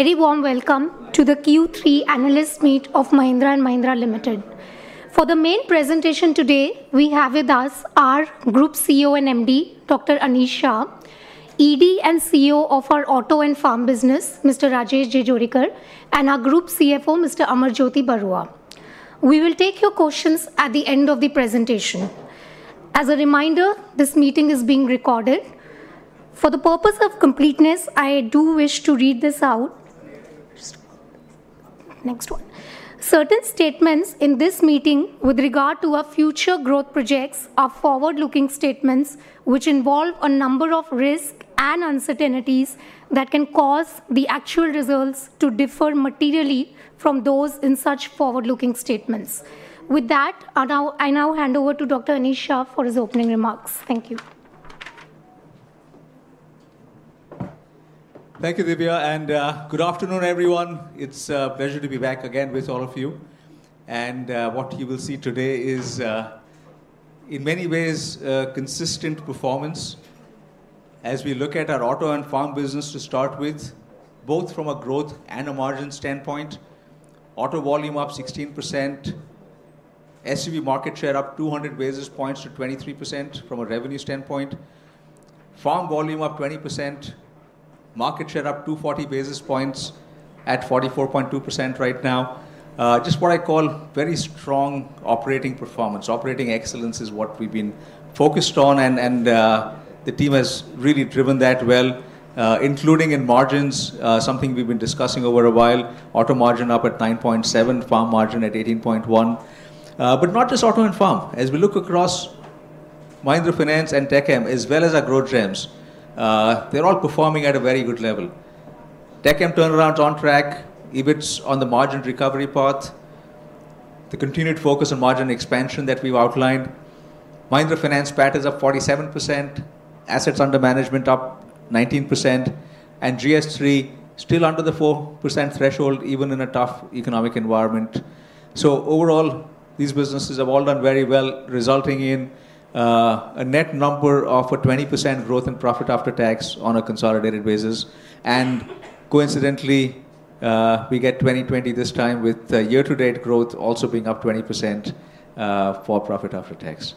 Very warm welcome to the Q3 Analysts Meet of Mahindra & Mahindra Ltd. For the main presentation today, we have with us our Group CEO & MD, Dr. Anish Shah, ED & CEO of our Auto & Farm Business, Mr. Rajesh Jejurikar, and our Group CFO, Mr. Amarjyoti Barua. We will take your questions at the end of the presentation. As a reminder, this meeting is being recorded. For the purpose of completeness, I do wish to read this out. Next one. Certain statements in this meeting with regard to our future growth projects are forward-looking statements, which involve a number of risks and uncertainties that can cause the actual results to differ materially from those in such forward-looking statements. With that, I now hand over to Dr. Anish Shah for his opening remarks. Thank you. Thank you, Divya, and good afternoon, everyone. It's a pleasure to be back again with all of you. And what you will see today is, in many ways, consistent performance as we look at our Auto & Farm Business to start with, both from a growth and a margin standpoint. Auto volume up 16%, SUV market share up 200 basis points to 23% from a revenue standpoint. Farm volume up 20%, market share up 240 basis points at 44.2% right now. Just what I call very strong operating performance. Operating excellence is what we've been focused on, and the team has really driven that well, including in margins, something we've been discussing over a while. Auto margin up at 9.7%, farm margin at 18.1%. But not just Auto & Farm. As we look across Mahindra Finance and Tech Mahindra, as well as our Growth Gems, they're all performing at a very good level. Tech Mahindra turnaround's on track, EBIT's on the margin recovery path, the continued focus on margin expansion that we've outlined. Mahindra Finance PAT up 47%, assets under management up 19%, and GS3 still under the 4% threshold, even in a tough economic environment. So overall, these businesses have all done very well, resulting in a net number of 20% growth in profit after tax on a consolidated basis. And coincidentally, we get 20, 20 this time with year-to-date growth also being up 20% for profit after tax.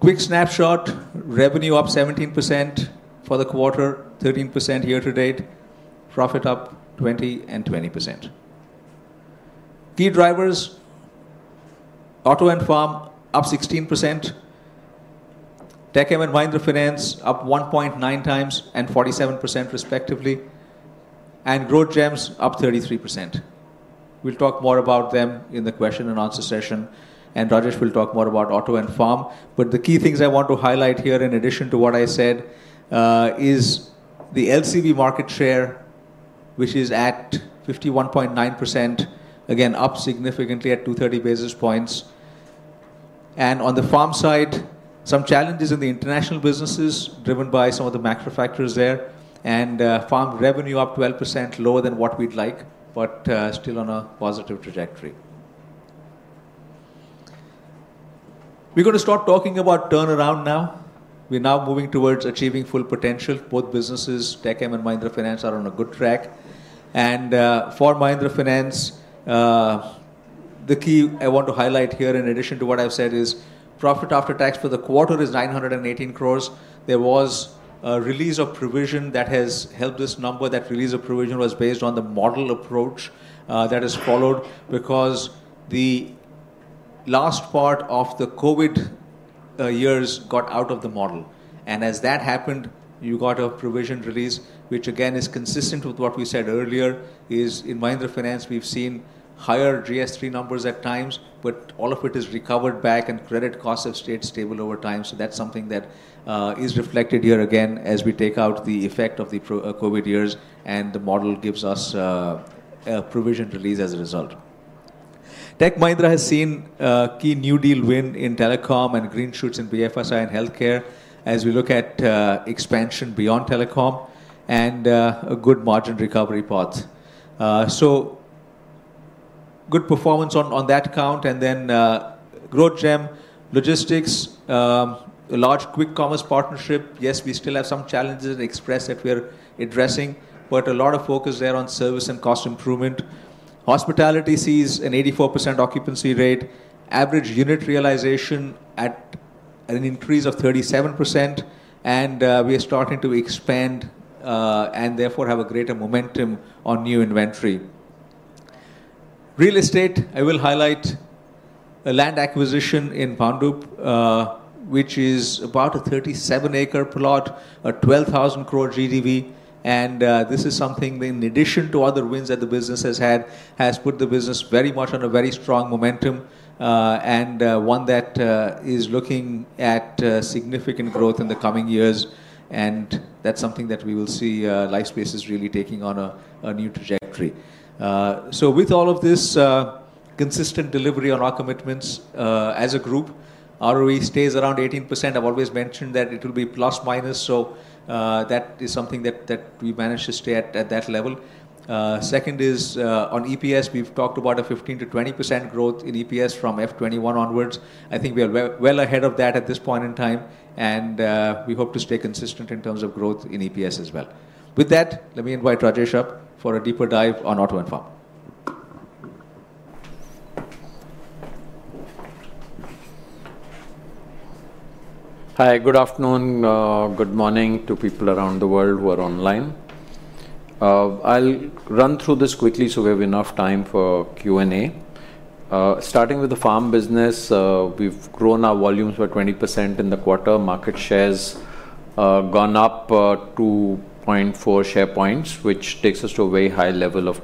Quick snapshot: revenue up 17% for the quarter, 13% year-to-date, profit up 20% and 20%. Key drivers: Auto & Farm up 16%, Tech Mahindra & Mahindra Finance up 1.9 times and 47% respectively, and Growth Gems up 33%. We'll talk more about them in the question and answer session, and Rajesh will talk more about Auto & Farm. But the key things I want to highlight here, in addition to what I said, is the LCV market share, which is at 51.9%, again, up significantly at 230 basis points. And on the farm side, some challenges in the international businesses driven by some of the macro factors there, and farm revenue up 12%, lower than what we'd like, but still on a positive trajectory. We're going to start talking about turnaround now. We're now moving towards achieving full potential. Both businesses, Tech Mahindra and Mahindra Finance, are on a good track. And for Mahindra Finance, the key I want to highlight here, in addition to what I've said, is profit after tax for the quarter is 918 crores. There was a release of provision that has helped this number. That release of provision was based on the model approach that is followed because the last part of the COVID years got out of the model. And as that happened, you got a provision release, which again is consistent with what we said earlier, is in Mahindra Finance, we've seen higher GS3 numbers at times, but all of it has recovered back, and credit costs have stayed stable over time. So that's something that is reflected here again as we take out the effect of the COVID years, and the model gives us a provision release as a result. Tech Mahindra has seen a key new deal win in telecom and green shoots in BFSI and healthcare as we look at expansion beyond telecom and a good margin recovery path. So good performance on that count. And then Growth Gems, logistics, a large quick commerce partnership. Yes, we still have some challenges at Express that we're addressing, but a lot of focus there on service and cost improvement. Hospitality sees an 84% occupancy rate, average unit realization at an increase of 37%, and we are starting to expand and therefore have a greater momentum on new inventory. Real Estate, I will highlight a land acquisition in Bhandup, which is about a 37-acre plot, a 12,000 crore GDV. And this is something, in addition to other wins that the business has had, has put the business very much on a very strong momentum and one that is looking at significant growth in the coming years. And that's something that we will see Lifespaces really taking on a new trajectory. With all of this, consistent delivery on our commitments as a group, ROE stays around 18%. I've always mentioned that it will be plus-minus, so that is something that we manage to stay at that level. Second is on EPS, we've talked about a 15%-20% growth in EPS from F21 onwards. I think we are well ahead of that at this point in time, and we hope to stay consistent in terms of growth in EPS as well. With that, let me invite Rajesh up for a deeper dive on Auto & Farm. Hi, good afternoon, good morning to people around the world who are online. I'll run through this quickly so we have enough time for Q&A. Starting with the farm business, we've grown our volumes by 20% in the quarter. Market share's gone up 2.4 share points, which takes us to a very high level of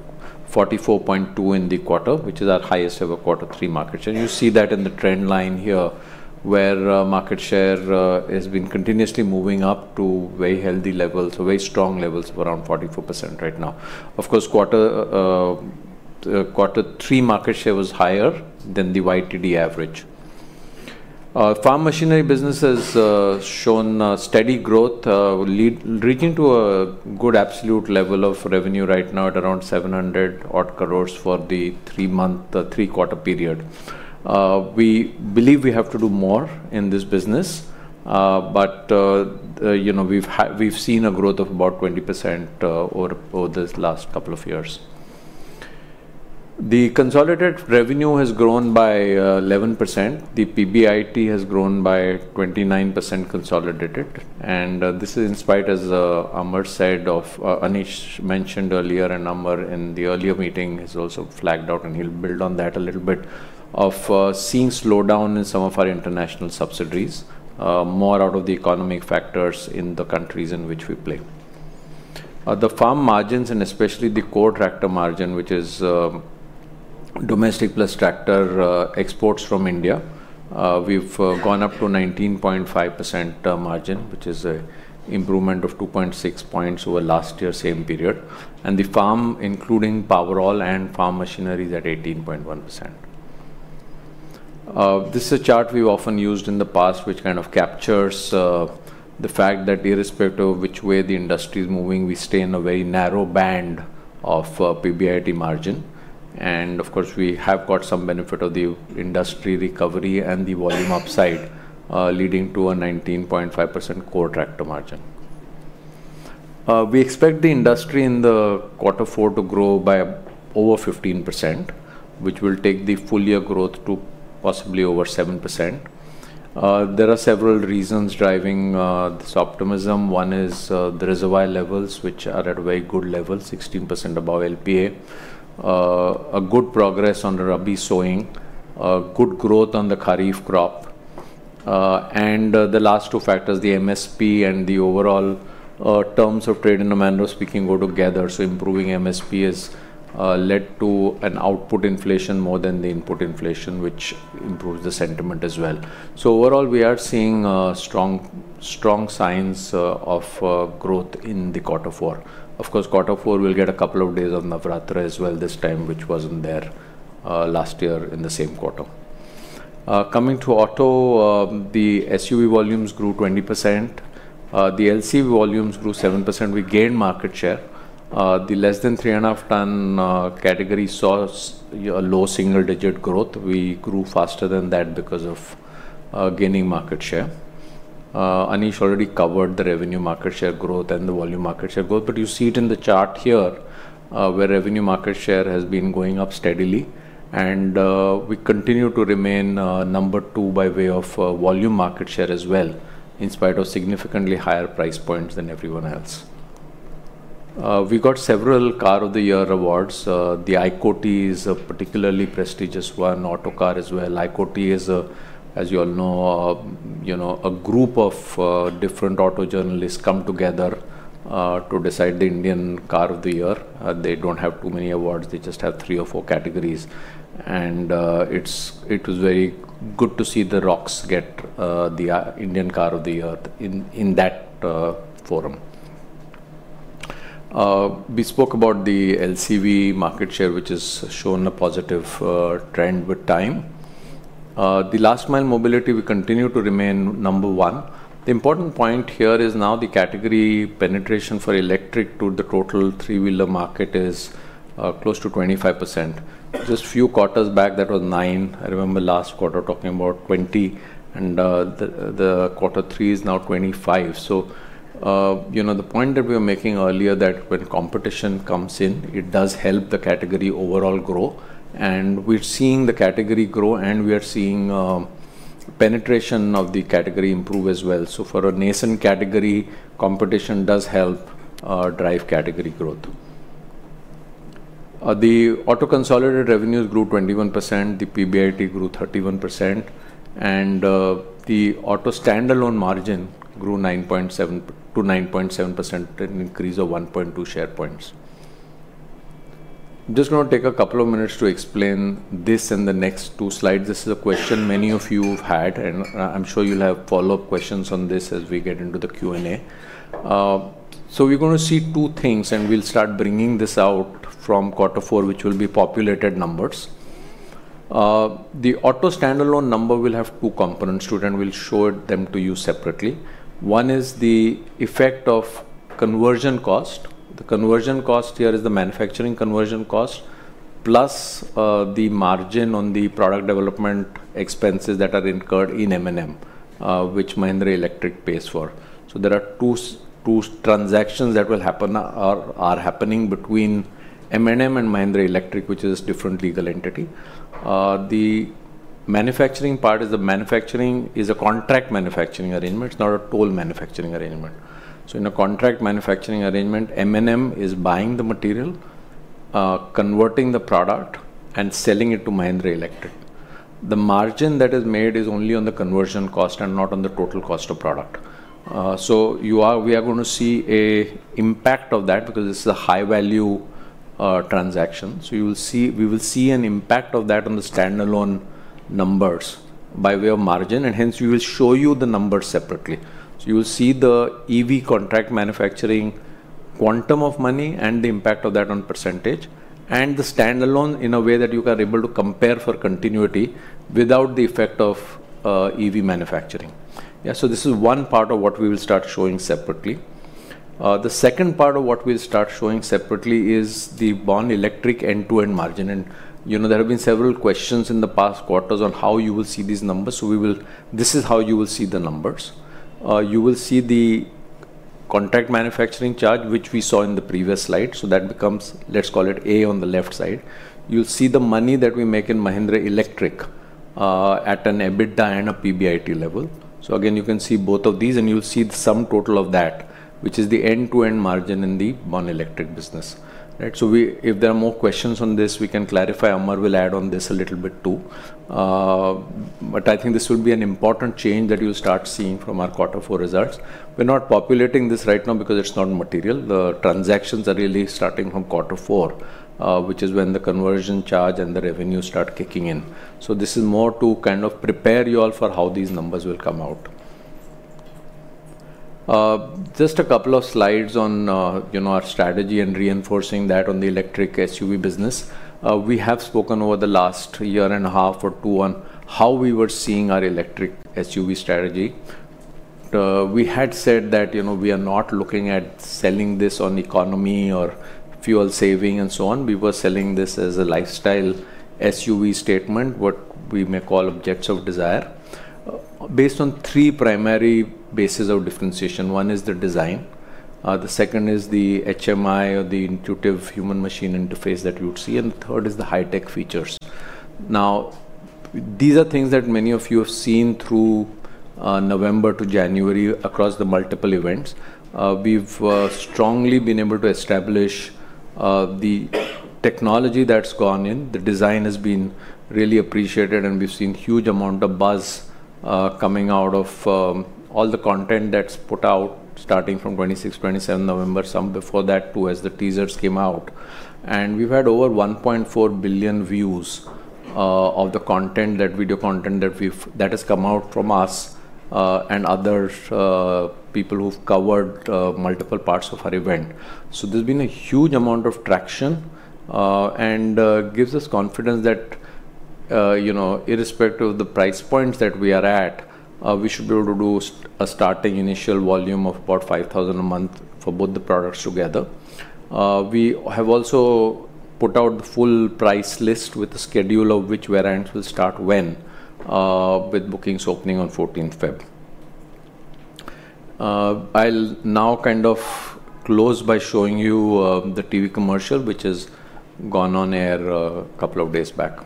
44.2% in the quarter, which is our highest ever quarter three market share. You see that in the trend line here, where market share has been continuously moving up to very healthy levels, very strong levels of around 44% right now. Of course, quarter three market share was higher than the YTD average. Farm machinery business has shown steady growth, reaching a good absolute level of revenue right now at around 700-odd crores for the three-quarter period. We believe we have to do more in this business, but we've seen a growth of about 20% over this last couple of years. The consolidated revenue has grown by 11%. The PBIT has grown by 29% consolidated. And this is in spite, as Amar said, of Anish mentioned earlier, and Amar in the earlier meeting has also flagged out, and he'll build on that a little bit, of seeing slowdown in some of our international subsidiaries, more out of the economic factors in the countries in which we play. The farm margins, and especially the core tractor margin, which is domestic plus tractor exports from India, we've gone up to 19.5% margin, which is an improvement of 2.6 points over last year, same period. And the farm, including Powerol and farm machinery, is at 18.1%. This is a chart we've often used in the past, which kind of captures the fact that irrespective of which way the industry is moving, we stay in a very narrow band of PBIT margin. And of course, we have got some benefit of the industry recovery and the volume upside, leading to a 19.5% core tractor margin. We expect the industry in the quarter four to grow by over 15%, which will take the full year growth to possibly over 7%. There are several reasons driving this optimism. One is the reservoir levels, which are at a very good level, 16% above LPA. A good progress on the Rabi sowing, good growth on the Kharif crop, and the last two factors, the MSP and the overall terms of trade in the mandis, we can go together. So improving MSP has led to an output inflation more than the input inflation, which improves the sentiment as well. So overall, we are seeing strong signs of growth in the quarter four. Of course, quarter four, we'll get a couple of days of Navratri as well this time, which wasn't there last year in the same quarter. Coming to auto, the SUV volumes grew 20%. The LCV volumes grew 7%. We gained market share. The less than three and a half ton category saw a low single-digit growth. We grew faster than that because of gaining market share. Anish already covered the revenue market share growth and the volume market share growth, but you see it in the chart here, where revenue market share has been going up steadily. We continue to remain number 2 by way of volume market share as well, in spite of significantly higher price points than everyone else. We got several Car of the Year awards. The ICOTY is a particularly prestigious one, Autocar as well. ICOTY is, as you all know, a group of different auto journalists come together to decide the Indian Car of the Year. They don't have too many awards. They just have three or four categories. It was very good to see the Thar Roxx get the Indian Car of the Year in that forum. We spoke about the LCV market share, which has shown a positive trend with time. The Last Mile Mobility, we continue to remain number one. The important point here is now the category penetration for electric to the total three-wheeler market is close to 25%. Just a few quarters back, that was 9. I remember last quarter talking about 20, and the quarter three is now 25. So the point that we were making earlier that when competition comes in, it does help the category overall grow. And we're seeing the category grow, and we are seeing penetration of the category improve as well. So for a nascent category, competition does help drive category growth. The auto consolidated revenues grew 21%. The PBIT grew 31%. And the auto standalone margin grew to 9.7%, an increase of 1.2 percentage points. I'm just going to take a couple of minutes to explain this in the next two slides. This is a question many of you have had, and I'm sure you'll have follow-up questions on this as we get into the Q&A. So we're going to see two things, and we'll start bringing this out from quarter four, which will be populated numbers. The auto standalone number will have two components to it, and we'll show them to you separately. One is the effect of conversion cost. The conversion cost here is the manufacturing conversion cost, plus the margin on the product development expenses that are incurred in M&M, which Mahindra Electric pays for. So there are two transactions that are happening between M&M and Mahindra Electric, which is a different legal entity. The manufacturing part is a contract manufacturing arrangement. It's not a toll manufacturing arrangement. So in a contract manufacturing arrangement, M&M is buying the material, converting the product, and selling it to Mahindra Electric. The margin that is made is only on the conversion cost and not on the total cost of product. So we are going to see an impact of that because this is a high-value transaction. So we will see an impact of that on the standalone numbers by way of margin, and hence we will show you the numbers separately. So you will see the EV contract manufacturing quantum of money and the impact of that on percentage and the standalone in a way that you are able to compare for continuity without the effect of EV manufacturing. Yeah, so this is one part of what we will start showing separately. The second part of what we'll start showing separately is the Born Electric end-to-end margin. And there have been several questions in the past quarters on how you will see these numbers. This is how you will see the numbers. You will see the contract manufacturing chart, which we saw in the previous slide. So that becomes, let's call it A on the left side. You'll see the money that we make in Mahindra Electric at an EBITDA and a PBIT level. So again, you can see both of these, and you'll see the sum total of that, which is the end-to-end margin in the Born Electric business. Right? So if there are more questions on this, we can clarify. Amar will add on this a little bit too. But I think this will be an important change that you'll start seeing from our quarter four results. We're not populating this right now because it's not material. The transactions are really starting from quarter four, which is when the conversion charge and the revenue start kicking in. So this is more to kind of prepare you all for how these numbers will come out. Just a couple of slides on our strategy and reinforcing that on the electric SUV business. We have spoken over the last year and a half or two on how we were seeing our electric SUV strategy. We had said that we are not looking at selling this on economy or fuel saving and so on. We were selling this as a lifestyle SUV statement, what we may call objects of desire, based on three primary bases of differentiation. One is the design. The second is the HMI or the intuitive human-machine interface that you'd see. And the third is the high-tech features. Now, these are things that many of you have seen through November to January across the multiple events. We've strongly been able to establish the technology that's gone in. The design has been really appreciated, and we've seen a huge amount of buzz coming out of all the content that's put out, starting from 26, 27 November, some before that too, as the teasers came out. And we've had over 1.4 billion views of the video content that has come out from us and other people who've covered multiple parts of our event. So there's been a huge amount of traction and gives us confidence that, irrespective of the price points that we are at, we should be able to do a starting initial volume of about 5,000 a month for both the products together. We have also put out the full price list with the schedule of which variants will start when, with bookings opening on 14th February. I'll now kind of close by showing you the TV commercial, which has gone on air a couple of days back.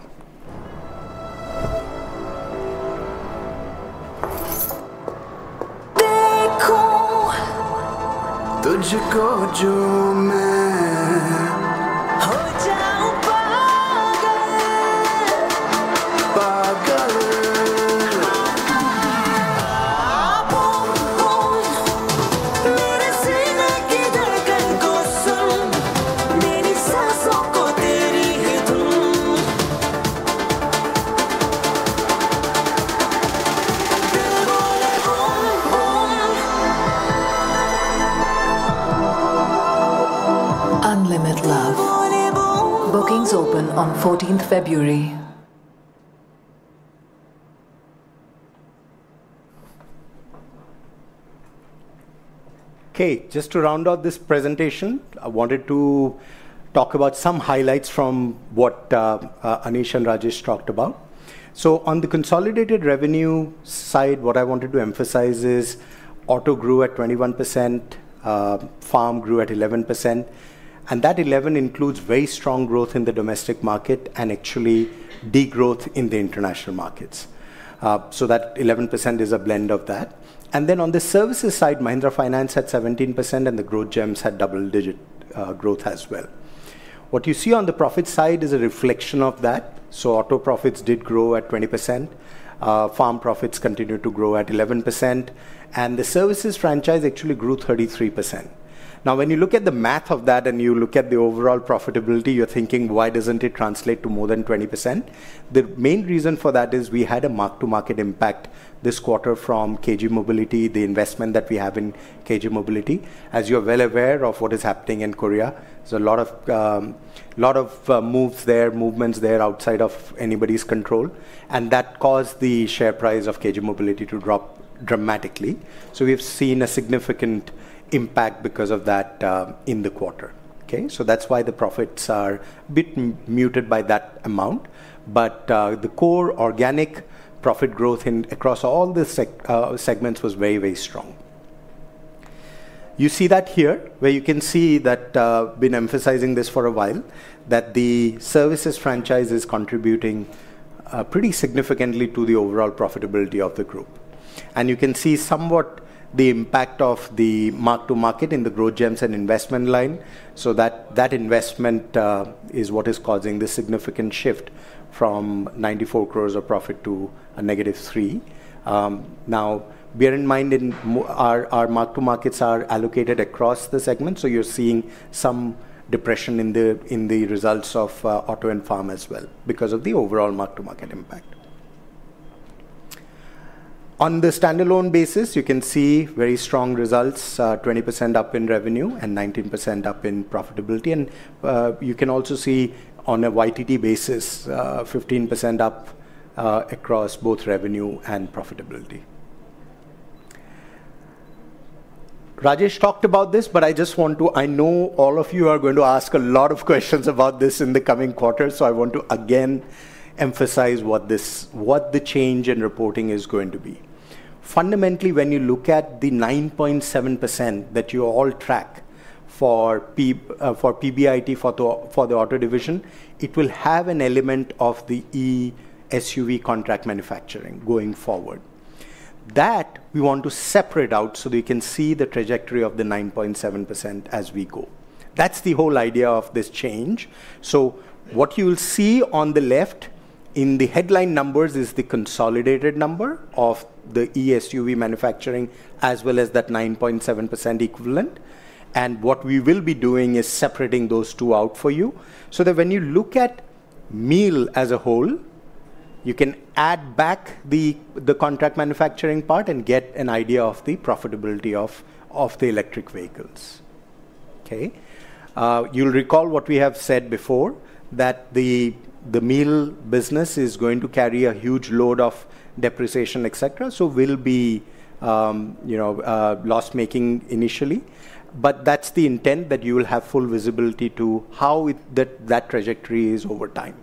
देखो, तुझको जो मैं हो जाऊं पागल, पागल। आ, बोल, बोल, मेरे सीने की धड़कन को सुन। मेरी साँसों को तेरी ही धुन। दिल बोले, बोल, बोल Unlimit Love. बोल, बोल Bookings open on 14th February. Okay, just to round out this presentation, I wanted to talk about some highlights from what Anish and Rajesh talked about. So on the consolidated revenue side, what I wanted to emphasize is auto grew at 21%, farm grew at 11%. And that 11 includes very strong growth in the domestic market and actually degrowth in the international markets. So that 11% is a blend of that. And then on the services side, Mahindra Finance had 17%, and the Growth Gems had double-digit growth as well. What you see on the profit side is a reflection of that. So auto profits did grow at 20%. Farm profits continued to grow at 11%. And the services franchise actually grew 33%. Now, when you look at the math of that and you look at the overall profitability, you're thinking, "Why doesn't it translate to more than 20%?" The main reason for that is we had a mark-to-market impact this quarter from KG Mobility, the investment that we have in KG Mobility. As you're well aware of what is happening in Korea, there's a lot of moves there, movements there outside of anybody's control. And that caused the share price of KG Mobility to drop dramatically. So we've seen a significant impact because of that in the quarter. Okay? So that's why the profits are a bit muted by that amount. But the core organic profit growth across all the segments was very, very strong. You see that here, where you can see that we've been emphasizing this for a while, that the services franchise is contributing pretty significantly to the overall profitability of the group. And you can see somewhat the impact of the mark-to-market in the Growth Gems and investment line. So that investment is what is causing the significant shift from 94 crores of profit to a negative 3. Now, bear in mind our mark-to-markets are allocated across the segment, so you're seeing some depression in the results of auto and farm as well because of the overall mark-to-market impact. On the standalone basis, you can see very strong results, 20% up in revenue and 19% up in profitability. And you can also see on a YTT basis, 15% up across both revenue and profitability. Rajesh talked about this, but I just want to, I know all of you are going to ask a lot of questions about this in the coming quarter, so I want to again emphasize what the change in reporting is going to be. Fundamentally, when you look at the 9.7% that you all track for PBIT for the auto division, it will have an element of the e-SUV contract manufacturing going forward. That we want to separate out so that you can see the trajectory of the 9.7% as we go. That's the whole idea of this change, so what you'll see on the left in the headline numbers is the consolidated number of the e-SUV manufacturing as well as that 9.7% equivalent, and what we will be doing is separating those two out for you. So that when you look at MEAL as a whole, you can add back the contract manufacturing part and get an idea of the profitability of the electric vehicles. Okay? You'll recall what we have said before, that the MEAL business is going to carry a huge load of depreciation, etc., so will be loss-making initially. But that's the intent that you will have full visibility to how that trajectory is over time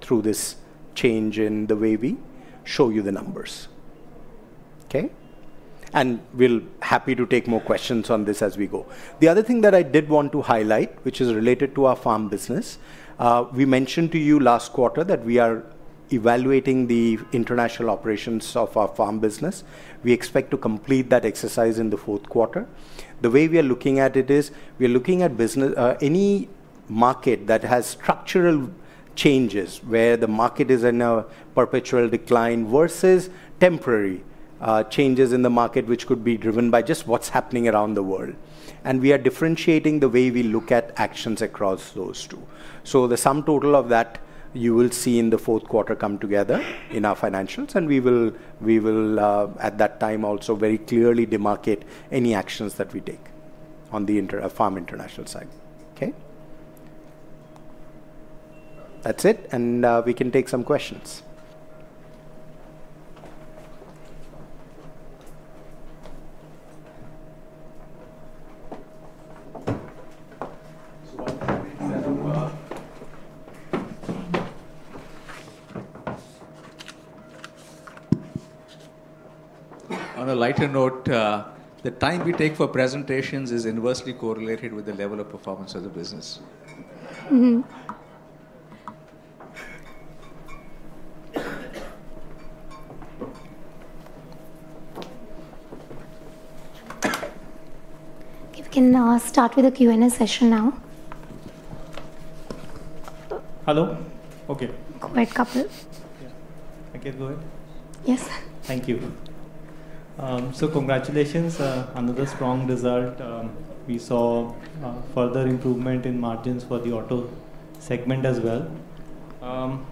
through this change in the way we show you the numbers. Okay? And we'll be happy to take more questions on this as we go. The other thing that I did want to highlight, which is related to our farm business, we mentioned to you last quarter that we are evaluating the international operations of our farm business. We expect to complete that exercise in the fourth quarter. The way we are looking at it is we're looking at any market that has structural changes where the market is in a perpetual decline versus temporary changes in the market, which could be driven by just what's happening around the world. And we are differentiating the way we look at actions across those two. So the sum total of that you will see in the fourth quarter come together in our financials. And we will, at that time, also very clearly demarcate any actions that we take on the farm international side. Okay? That's it. And we can take some questions. On a lighter note, the time we take for presentations is inversely correlated with the level of performance of the business. We can start with the Q&A session now. Hello? Okay. Quite a couple. Yeah. I can go in? Yes. Thank you. So congratulations on the strong result. We saw further improvement in margins for the auto segment as well.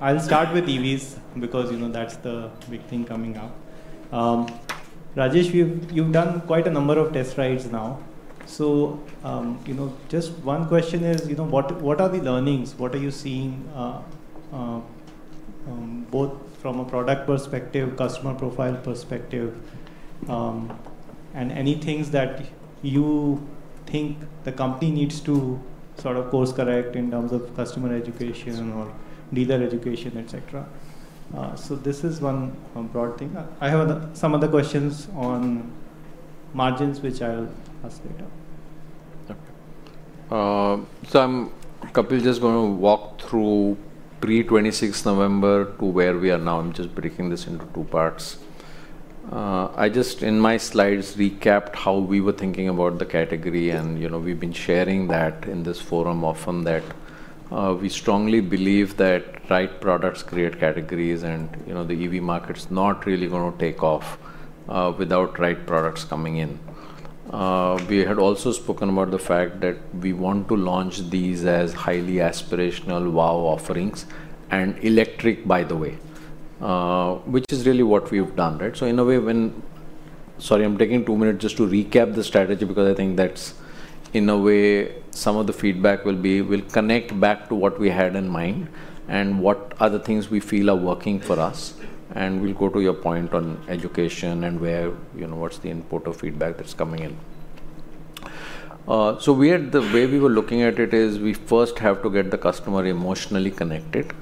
I'll start with EVs because that's the big thing coming up. Rajesh, you've done quite a number of test rides now. So just one question is, what are the learnings? What are you seeing both from a product perspective, customer profile perspective, and any things that you think the company needs to sort of course-correct in terms of customer education or dealer education, etc.? So this is one broad thing. I have some other questions on margins, which I'll ask later. Okay. So Kapil is just going to walk through pre-26 November to where we are now. I'm just breaking this into two parts. I just, in my slides, recapped how we were thinking about the category. And we've been sharing that in this forum often that we strongly believe that right products create categories, and the EV market's not really going to take off without right products coming in. We had also spoken about the fact that we want to launch these as highly aspirational, wow offerings and electric, by the way, which is really what we've done. Right? So in a way, sorry, I'm taking two minutes just to recap the strategy because I think that's, in a way, some of the feedback will connect back to what we had in mind and what other things we feel are working for us. We'll go to your point on education and what's the input of feedback that's coming in. So the way we were looking at it is we first have to get the customer emotionally connected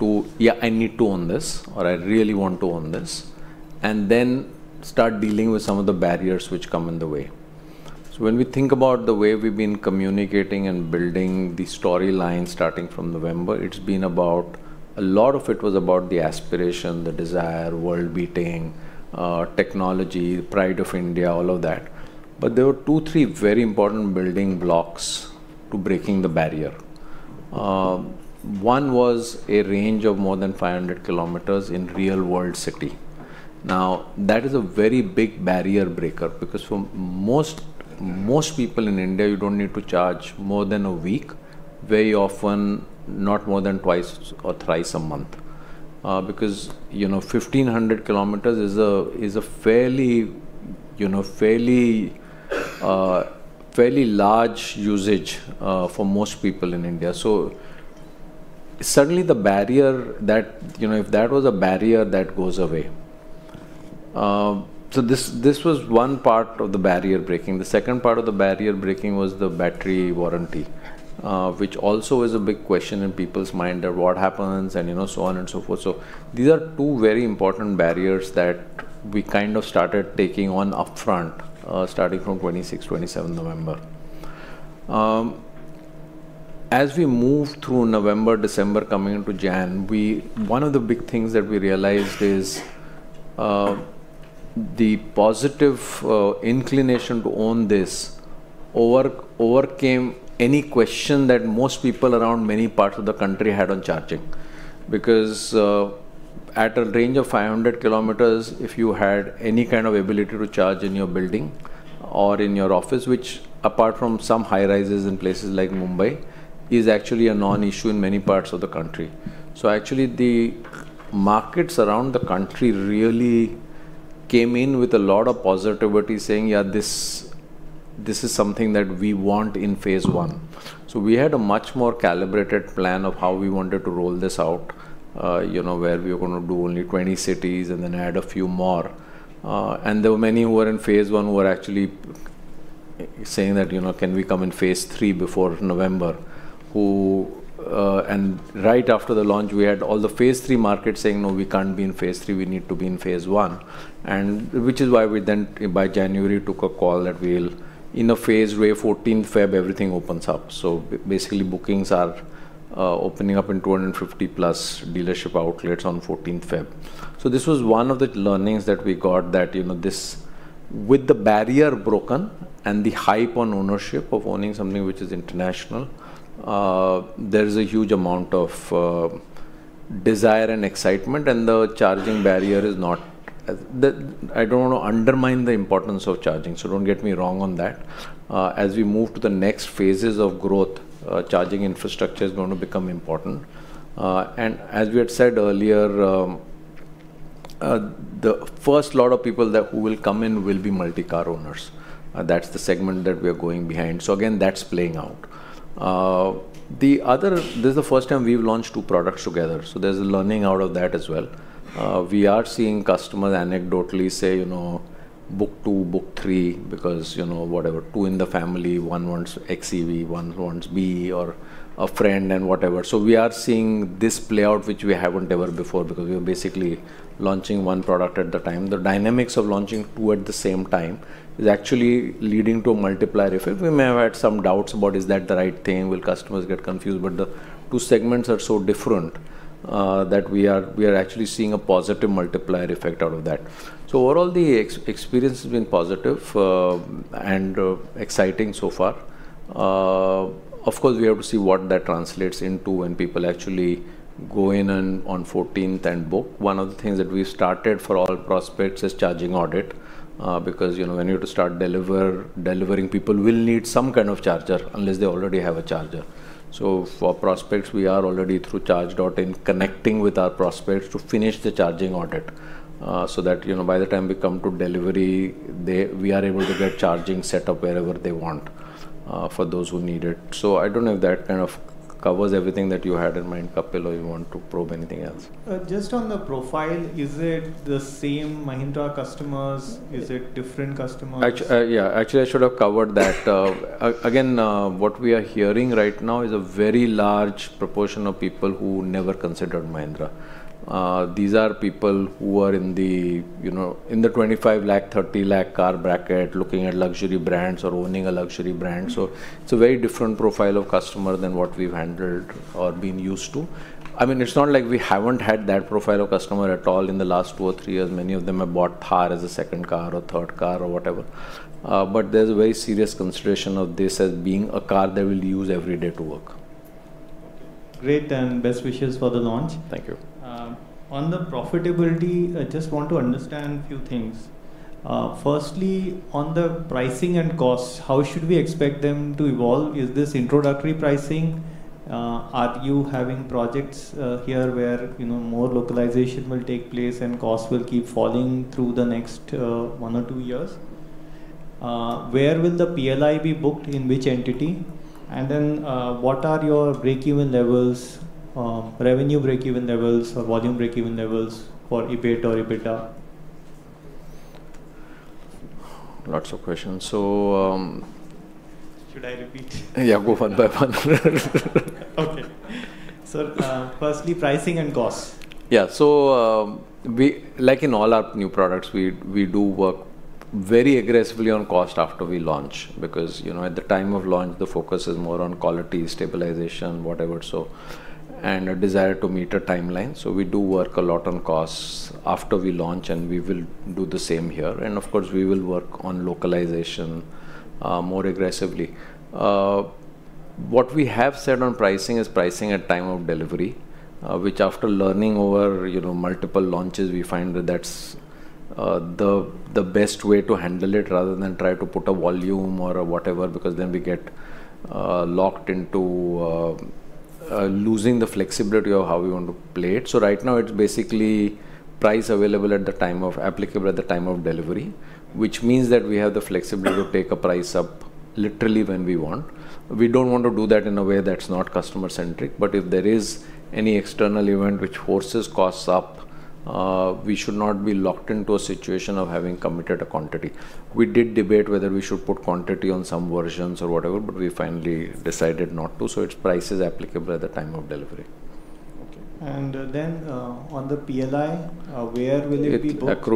to, "Yeah, I need to own this," or, "I really want to own this," and then start dealing with some of the barriers which come in the way. So when we think about the way we've been communicating and building the storyline, starting from November, it's been about, a lot of it was about the aspiration, the desire, world-beating, technology, pride of India, all of that. But there were two, three very important building blocks to breaking the barrier. One was a range of more than 500 km in real-world city. Now, that is a very big barrier breaker because for most people in India, you don't need to charge more than a week, very often not more than twice or thrice a month because 1,500 kilometers is a fairly large usage for most people in India. So suddenly, if that was a barrier, that goes away. So this was one part of the barrier breaking. The second part of the barrier breaking was the battery warranty, which also is a big question in people's mind of what happens and so on and so forth. So these are two very important barriers that we kind of started taking on upfront, starting from 26, 27 November. As we moved through November, December coming into January, one of the big things that we realized is the positive inclination to own this overcame any question that most people around many parts of the country had on charging because at a range of 500 km, if you had any kind of ability to charge in your building or in your office, which, apart from some high-rises in places like Mumbai, is actually a non-issue in many parts of the country, so actually, the markets around the country really came in with a lot of positivity saying, "Yeah, this is something that we want in phase one," so we had a much more calibrated plan of how we wanted to roll this out, where we were going to do only 20 cities and then add a few more. There were many who were in phase one who were actually saying that, "Can we come in phase three before November?" Right after the launch, we had all the phase three market saying, "No, we can't be in phase three. We need to be in phase one," which is why we then, by January, took a call that we'll, in a phase way, February 14th, everything opens up. Basically, bookings are opening up in 250-plus dealership outlets on February 14th. This was one of the learnings that we got that with the barrier broken and the hype on ownership of owning something which is international, there's a huge amount of desire and excitement. The charging barrier is not—I don't want to undermine the importance of charging, so don't get me wrong on that. As we move to the next phases of growth, charging infrastructure is going to become important, and as we had said earlier, the first lot of people who will come in will be multi-car owners. That's the segment that we are going behind, so again, that's playing out. This is the first time we've launched two products together, so there's a learning out of that as well. We are seeing customers anecdotally say, "Book two, book three," because whatever, two in the family, one wants XEV, one wants BE, or a friend, and whatever. So we are seeing this play out, which we haven't ever before because we were basically launching one product at the time. The dynamics of launching two at the same time is actually leading to a multiplier effect. We may have had some doubts about, "Is that the right thing? Will customers get confused?" But the two segments are so different that we are actually seeing a positive multiplier effect out of that. So overall, the experience has been positive and exciting so far. Of course, we have to see what that translates into when people actually go in on 14th and book. One of the things that we've started for all prospects is charging audit because when you're to start delivering, people will need some kind of charger unless they already have a charger. So for prospects, we are already through Charge.in connecting with our prospects to finish the charging audit so that by the time we come to delivery, we are able to get charging set up wherever they want for those who need it. So I don't know if that kind of covers everything that you had in mind, Kapil, or you want to probe anything else? Just on the profile, is it the same Mahindra customers? Is it different customers? Yeah. Actually, I should have covered that. Again, what we are hearing right now is a very large proportion of people who never considered Mahindra. These are people who are in the 25 lakh, 30 lakh car bracket looking at luxury brands or owning a luxury brand. So it's a very different profile of customer than what we've handled or been used to. I mean, it's not like we haven't had that profile of customer at all in the last two or three years. Many of them have bought Thar as a second car or third car or whatever. But there's a very serious consideration of this as being a car they will use every day to work. Okay. Great. And best wishes for the launch. Thank you. On the profitability, I just want to understand a few things. Firstly, on the pricing and costs, how should we expect them to evolve? Is this introductory pricing? Are you having projects here where more localization will take place and costs will keep falling through the next one or two years? Where will the PLI be booked? In which entity? And then what are your break-even levels, revenue break-even levels, or volume break-even levels for EBIT or EBITDA? Lots of questions. So. Should I repeat? Yeah. Go one by one. Okay, so firstly, pricing and costs. Yeah. So like in all our new products, we do work very aggressively on cost after we launch because at the time of launch, the focus is more on quality stabilization, whatever, and a desire to meet a timeline. So we do work a lot on costs after we launch, and we will do the same here. And of course, we will work on localization more aggressively. What we have said on pricing is pricing at time of delivery, which after learning over multiple launches, we find that that's the best way to handle it rather than try to put a volume or whatever because then we get locked into losing the flexibility of how we want to play it. So right now, it's basically prices applicable at the time of delivery, which means that we have the flexibility to take a price up literally when we want. We don't want to do that in a way that's not customer-centric. But if there is any external event which forces costs up, we should not be locked into a situation of having committed a quantity. We did debate whether we should put quantity on some versions or whatever, but we finally decided not to. So it's prices applicable at the time of delivery. Okay, and then on the PLI, where will it be booked?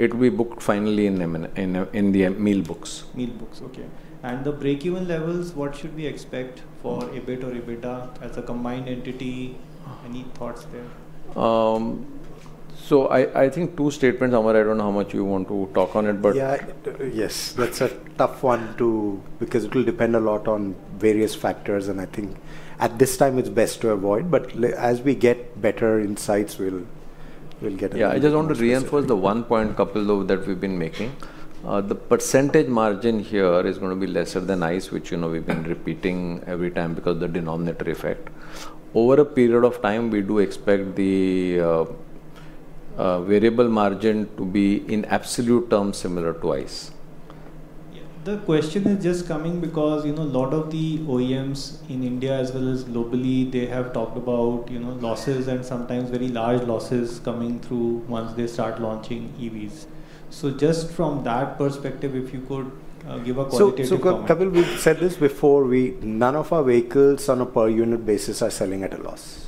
It will be booked finally in the MEAL books. MEAL bookings. Okay. And the break-even levels, what should we expect for EBIT or EBITDA as a combined entity? Any thoughts there? So I think two statements over. I don't know how much you want to talk on it, but. Yeah. Yes. That's a tough one because it will depend a lot on various factors. And I think at this time, it's best to avoid. But as we get better insights, we'll get there. Yeah. I just want to reinforce the one point, Kapil, that we've been making. The percentage margin here is going to be lesser than ICE, which we've been repeating every time because of the denominator effect. Over a period of time, we do expect the variable margin to be in absolute terms similar to ICE. Yeah. The question is just coming because a lot of the OEMs in India as well as globally, they have talked about losses and sometimes very large losses coming through once they start launching EVs. So just from that perspective, if you could give a qualitative point. So Kapil, we've said this before. None of our vehicles on a per-unit basis are selling at a loss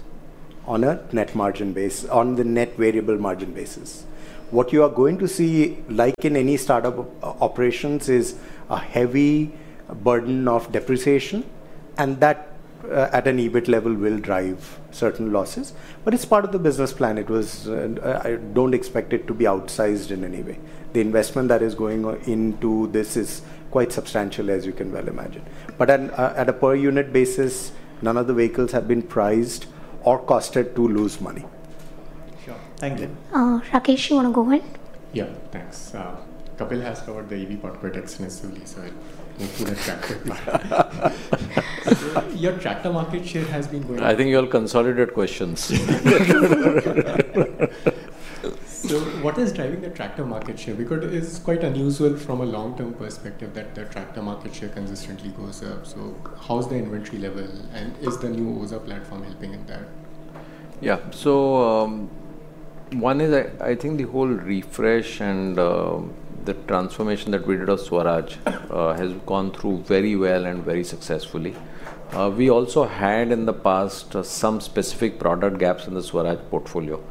on a net margin basis, on the net variable margin basis. What you are going to see, like in any startup operations, is a heavy burden of depreciation. And that at an EBIT level will drive certain losses. But it's part of the business plan. I don't expect it to be outsized in any way. The investment that is going into this is quite substantial, as you can well imagine. But at a per-unit basis, none of the vehicles have been priced or costed to lose money. Sure. Thank you. Rakesh, you want to go in? Yeah. Thanks. Kapil has covered the EV part quite extensively, so I'll move to the tractor part. Your tractor market share has been going up. I think you all consolidated questions. So what is driving the tractor market share? Because it's quite unusual from a long-term perspective that the tractor market share consistently goes up. So how's the inventory level? And is the new OJA platform helping in that? Yeah. So one is I think the whole refresh and the transformation that we did of Swaraj has gone through very well and very successfully. We also had in the past some specific product gaps in the Swaraj portfolio.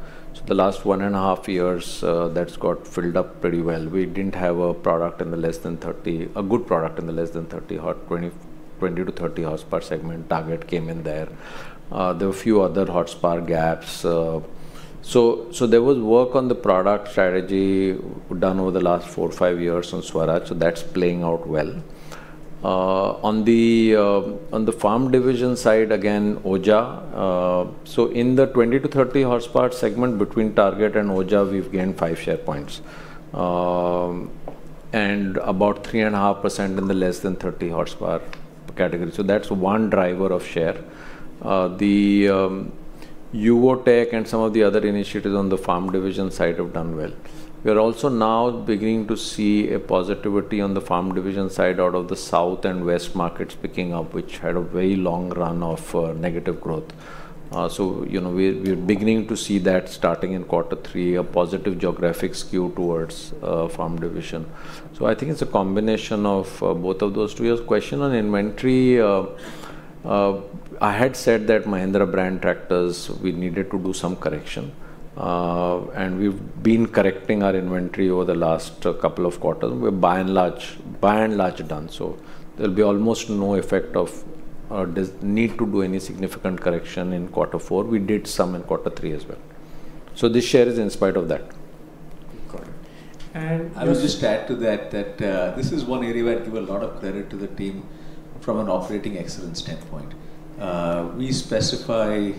So the last one and a half years, that's got filled up pretty well. We didn't have a product in the less than 30, a good product in the less than 30, 20-30 horsepower segment Target came in there. There were a few other hotspot gaps. So there was work on the product strategy done over the last four or five years on Swaraj. So that's playing out well. On the farm division side, again, OJA. So in the 20-30 horsepower segment between Target and OJA, we've gained five share points and about 3.5% in the less than 30 horsepower category. So that's one driver of share. The Yuvo Tech and some of the other initiatives on the farm division side have done well. We are also now beginning to see a positivity on the farm division side out of the south and west markets picking up, which had a very long run of negative growth. So we're beginning to see that starting in quarter three, a positive geographic skew towards farm division. So I think it's a combination of both of those two years. Question on inventory. I had said that Mahindra brand tractors, we needed to do some correction. And we've been correcting our inventory over the last couple of quarters. We're by and large done. So there'll be almost no effect of need to do any significant correction in quarter four. We did some in quarter three as well. So this share is in spite of that. Got it. And. I would just add to that that this is one area where I give a lot of credit to the team from an operating excellence standpoint. We specify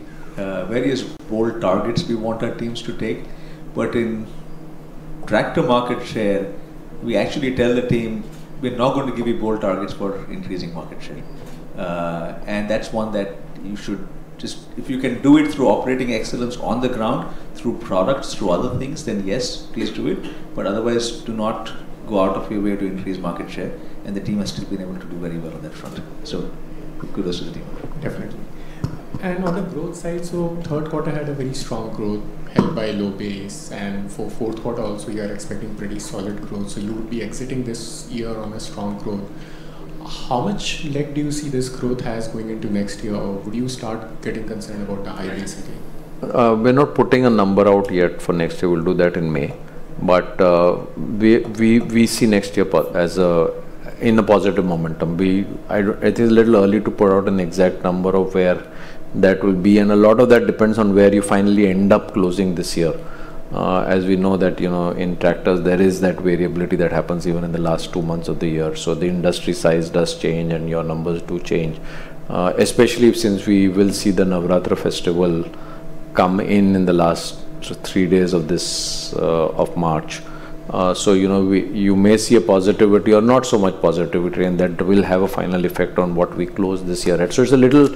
various bold targets we want our teams to take. But in tractor market share, we actually tell the team, "We're not going to give you bold targets for increasing market share." And that's one that you should just if you can do it through operating excellence on the ground, through products, through other things, then yes, please do it. But otherwise, do not go out of your way to increase market share. And the team has still been able to do very well on that front. So kudos to the team. Definitely. And on the growth side, so third quarter had a very strong growth helped by low base. And for fourth quarter also, you are expecting pretty solid growth. So you would be exiting this year on a strong growth. How much leg do you see this growth has going into next year? Or would you start getting concerned about the high base basically? We're not putting a number out yet for next year. We'll do that in May. But we see next year as in a positive momentum. It is a little early to put out an exact number of where that will be. And a lot of that depends on where you finally end up closing this year. As we know that in tractors, there is that variability that happens even in the last two months of the year. So the industry size does change and your numbers do change, especially since we will see the Navratri festival come in in the last three days of March. So you may see a positivity or not so much positivity, and that will have a final effect on what we close this year. So it's a little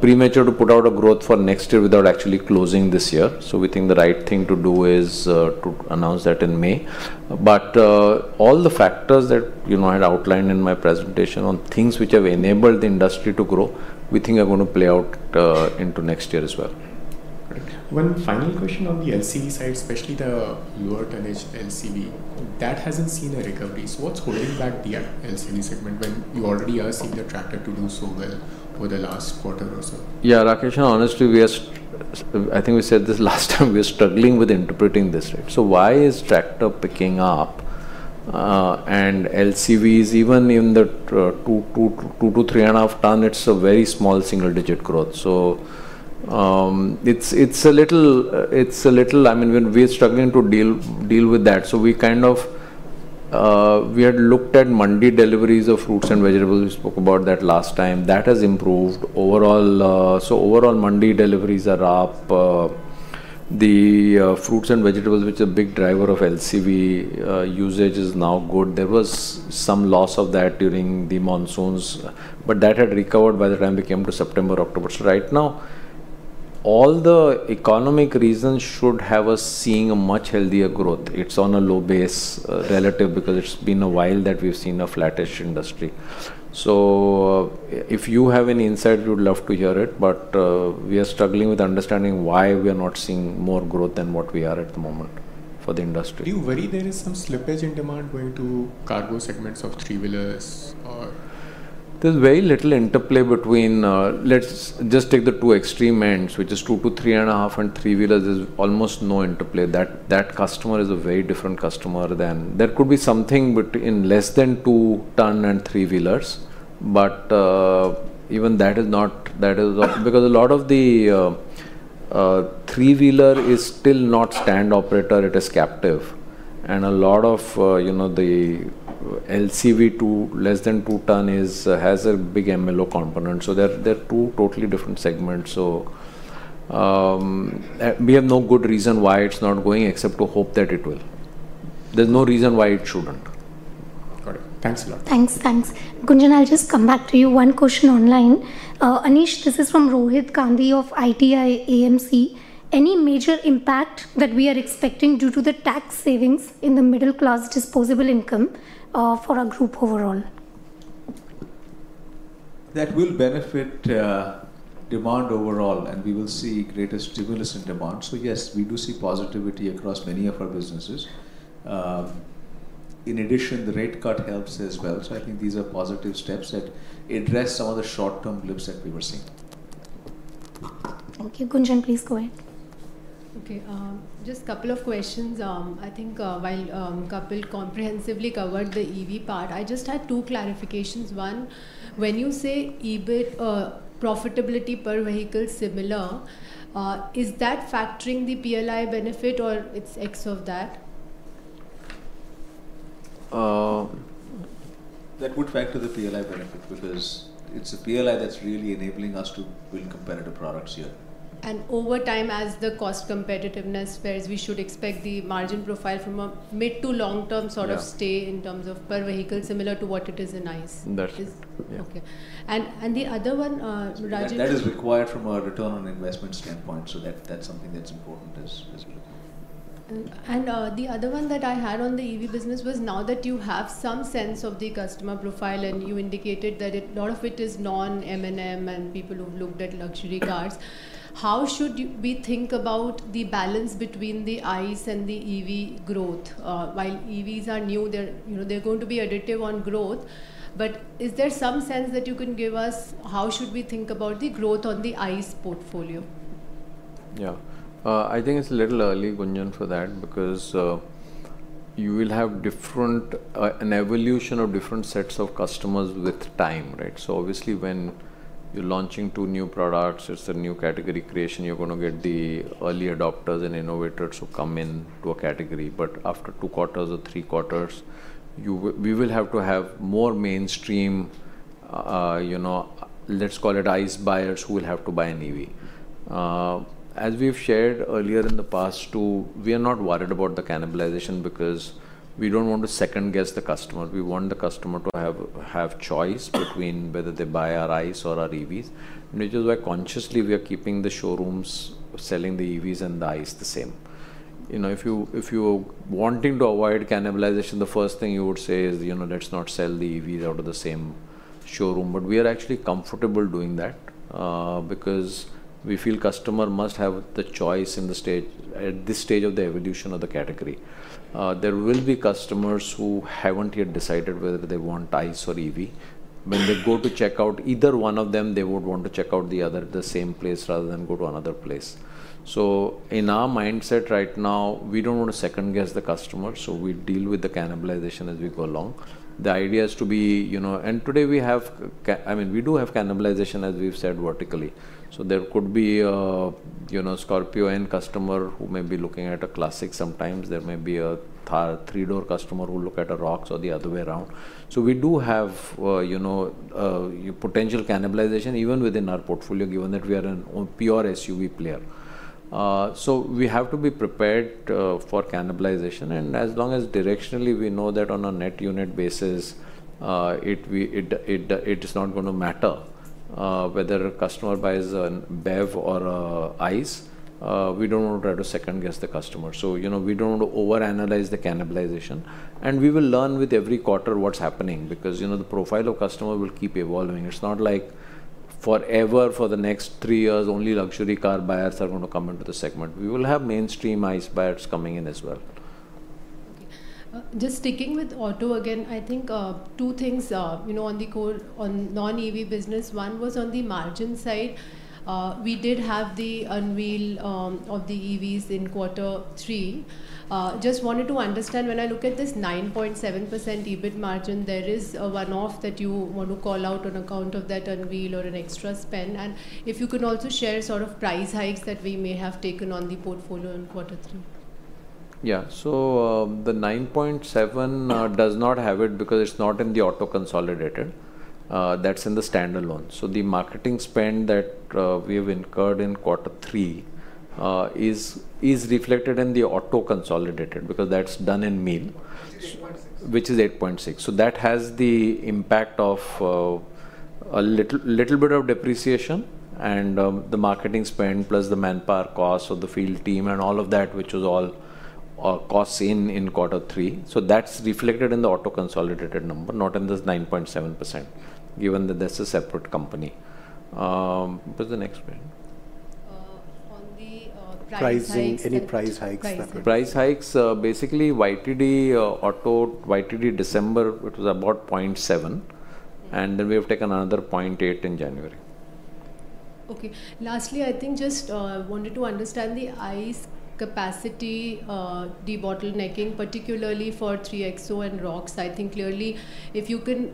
premature to put out a growth for next year without actually closing this year. We think the right thing to do is to announce that in May. All the factors that I had outlined in my presentation on things which have enabled the industry to grow, we think are going to play out into next year as well. One final question on the LCV side, especially the lower tonnage LCV. That hasn't seen a recovery. So what's holding back the LCV segment when you already are seeing the tractor to do so well over the last quarter or so? Yeah. Rakesh, in honesty, I think we said this last time. We are struggling with interpreting this. So why is tractor picking up? And LCVs, even in the two to three and a half ton, it's a very small single-digit growth. So it's a little. I mean, we are struggling to deal with that. So we kind of, we had looked at mandi deliveries of fruits and vegetables. We spoke about that last time. That has improved. So overall, mandi deliveries are up. The fruits and vegetables, which are a big driver of LCV usage, is now good. There was some loss of that during the monsoons, but that had recovered by the time we came to September, October. So right now, all the economic reasons should have us seeing a much healthier growth. It's on a low base relative because it's been a while that we've seen a flattish industry. So if you have any insight, we would love to hear it. But we are struggling with understanding why we are not seeing more growth than what we are at the moment for the industry. Do you worry there is some slippage in demand going to cargo segments of three-wheelers or? There's very little interplay between, let's just take the two extreme ends, which is two to three and a half, and three-wheelers, is almost no interplay. That customer is a very different customer than there could be something in less than two-ton and three-wheelers, but even that is not, because a lot of the three-wheeler is still not standalone operator. It is captive. And a lot of the LCV, less than two-ton, has a big LMM component. So they're two totally different segments. So we have no good reason why it's not going except to hope that it will. There's no reason why it shouldn't. Got it. Thanks a lot. Thanks. Thanks. Gunjan, I'll just come back to you. One question online. Anish, this is from Rohit Gandhi of ITI AMC. Any major impact that we are expecting due to the tax savings in the middle-class disposable income for our group overall? That will benefit demand overall, and we will see greater stimulus in demand. So yes, we do see positivity across many of our businesses. In addition, the rate cut helps as well. So I think these are positive steps that address some of the short-term blips that we were seeing. Okay. Gunjan, please go ahead. Okay. Just a couple of questions. I think while Kapil comprehensively covered the EV part, I just had two clarifications. One, when you say profitability per vehicle similar, is that factoring the PLI benefit or its ex of that? That would factor the PLI benefit because it's a PLI that's really enabling us to build competitive products here. And over time, as the cost competitiveness fares, we should expect the margin profile from a mid- to long-term sort of stay in terms of per vehicle similar to what it is in ICE. That's. Is? Yeah. Okay. And the other one, Rajesh? That is required from a return on investment standpoint. So that's something that's important as we look at it. The other one that I had on the EV business was now that you have some sense of the customer profile, and you indicated that a lot of it is non-M&M and people who've looked at luxury cars. How should we think about the balance between the ICE and the EV growth? While EVs are new, they're going to be additive on growth. But is there some sense that you can give us how should we think about the growth on the ICE portfolio? Yeah. I think it's a little early, Gunjan, for that because you will have an evolution of different sets of customers with time, right? So obviously, when you're launching two new products, it's a new category creation. You're going to get the early adopters and innovators who come into a category. But after two quarters or three quarters, we will have to have more mainstream, let's call it ICE buyers who will have to buy an EV. As we've shared earlier in the past too, we are not worried about the cannibalization because we don't want to second-guess the customer. We want the customer to have choice between whether they buy our ICE or our EVs, which is why consciously we are keeping the showrooms selling the EVs and the ICE the same. If you are wanting to avoid cannibalization, the first thing you would say is, "Let's not sell the EVs out of the same showroom." But we are actually comfortable doing that because we feel customer must have the choice at this stage of the evolution of the category. There will be customers who haven't yet decided whether they want ICE or EV. When they go to check out either one of them, they would want to check out the other at the same place rather than go to another place. So in our mindset right now, we don't want to second-guess the customer. So we deal with the cannibalization as we go along. The idea is to be, and today we have, I mean, we do have cannibalization, as we've said, vertically. So there could be a Scorpio-N customer who may be looking at a Classic sometimes. There may be a three-door customer who'll look at a Roxx or the other way around. So we do have potential cannibalization even within our portfolio, given that we are a pure SUV player. So we have to be prepared for cannibalization. And as long as directionally we know that on a net unit basis, it is not going to matter whether a customer buys a BEV or an ICE, we don't want to try to second-guess the customer. So we don't want to overanalyze the cannibalization. And we will learn with every quarter what's happening because the profile of customer will keep evolving. It's not like forever for the next three years, only luxury car buyers are going to come into the segment. We will have mainstream ICE buyers coming in as well. Okay. Just sticking with auto again, I think two things on the non-EV business. One was on the margin side. We did have the unwind of the EVs in quarter three. Just wanted to understand when I look at this 9.7% EBIT margin, there is a one-off that you want to call out on account of that unwind or an extra spend. And if you can also share sort of price hikes that we may have taken on the portfolio in quarter three? Yeah. So the 9.7% does not have it because it's not in the auto consolidated. That's in the standalone. So the marketing spend that we have incurred in quarter three is reflected in the auto consolidated because that's done in MEAL, which is 8.6%. So that has the impact of a little bit of depreciation and the marketing spend plus the manpower cost of the field team and all of that, which was all costs in quarter three. So that's reflected in the auto consolidated number, not in this 9.7%, given that that's a separate company. What's the next point? On the price hikes. Pricing. Any price hikes? Price hikes. Basically, YTD auto, YTD December, it was about 0.7%. And then we have taken another 0.8% in January. Okay. Lastly, I think just wanted to understand the ICE capacity debottlenecking, particularly for 3XO and Roxx. I think clearly, if you can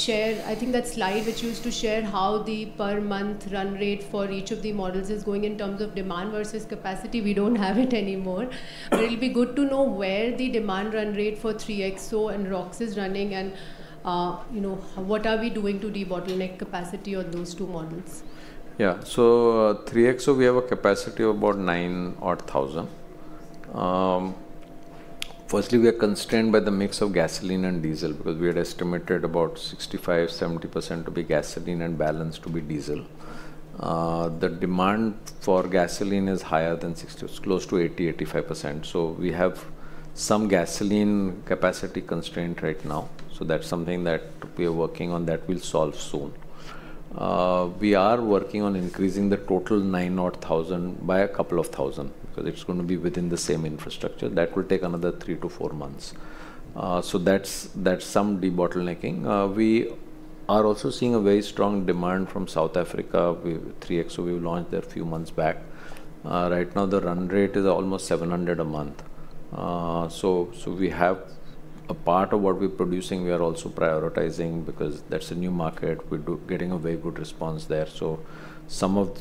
share, I think that slide which you used to share how the per month run rate for each of the models is going in terms of demand versus capacity, we don't have it anymore, but it'll be good to know where the demand run rate for 3XO and Roxx is running and what are we doing to debottleneck capacity on those two models. Yeah. So 3XO, we have a capacity of about 900,000. Firstly, we are constrained by the mix of gasoline and diesel because we had estimated about 65%-70% to be gasoline and balanced to be diesel. The demand for gasoline is higher than 60%. It's close to 80%-85%. So we have some gasoline capacity constraint right now. So that's something that we are working on that we'll solve soon. We are working on increasing the total 900,000 by a couple of thousand because it's going to be within the same infrastructure. That will take another three to four months. So that's some debottlenecking. We are also seeing a very strong demand from South Africa. 3XO, we launched there a few months back. Right now, the run rate is almost 700 a month. So we have a part of what we're producing. We are also prioritizing because that's a new market. We're getting a very good response there. So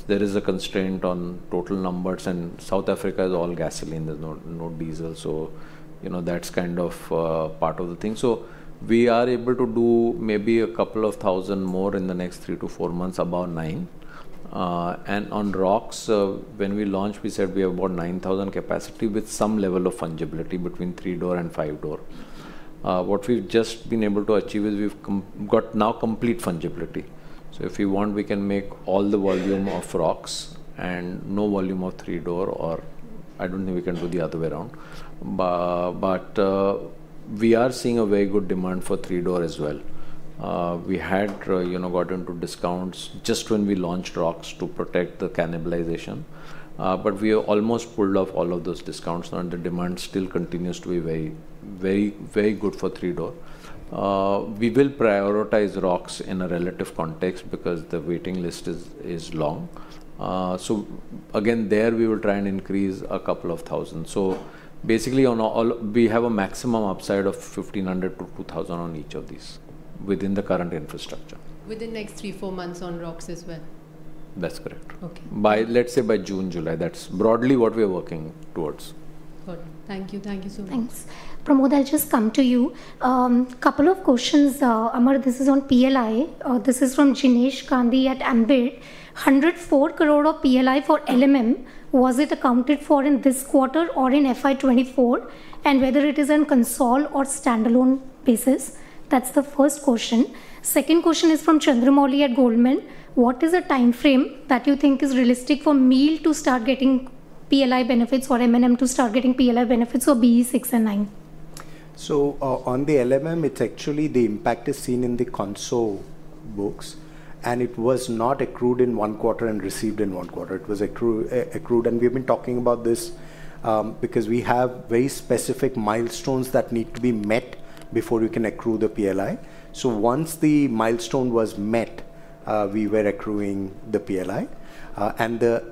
there is a constraint on total numbers, and South Africa is all gasoline. There's no diesel. So that's kind of part of the thing. So we are able to do maybe a couple of thousand more in the next three to four months, about nine. And on Roxx, when we launched, we said we have about 9,000 capacity with some level of fungibility between three-door and five-door. What we've just been able to achieve is we've got now complete fungibility. So if you want, we can make all the volume of Roxx and no volume of three-door, or I don't think we can do the other way around. But we are seeing a very good demand for three-door as well. We had got into discounts just when we launched Roxx to protect the cannibalization. But we have almost pulled off all of those discounts, and the demand still continues to be very, very good for three-door. We will prioritize Roxx in a relative context because the waiting list is long. So again, there we will try and increase a couple of thousand. So basically, we have a maximum upside of 1,500 to 2,000 on each of these within the current infrastructure. Within next three, four months on Roxx as well. That's correct. Okay. Let's say by June, July. That's broadly what we are working towards. Got it. Thank you. Thank you so much. Thanks. Pramod, I'll just come to you. A couple of questions. Amar, this is on PLI. This is from Jinesh Gandhi at Ambit. 104 crore of PLI for LMM. Was it accounted for in this quarter or in FY24? And whether it is on consolidated or standalone basis? That's the first question. Second question is from Chandramouli at Goldman. What is a time frame that you think is realistic for MEAL to start getting PLI benefits or M&M to start getting PLI benefits on BE 6e and 9e? So on the LMM, it's actually the impact is seen in the consolidated books. And it was not accrued in one quarter and received in one quarter. It was accrued. And we've been talking about this because we have very specific milestones that need to be met before you can accrue the PLI. So once the milestone was met, we were accruing the PLI. And the.